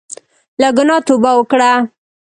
له ګناه توبه وکړه.